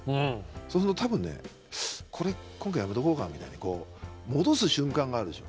そうすると多分ねこれ今回やめとこうかみたいにこう戻す瞬間があるでしょ。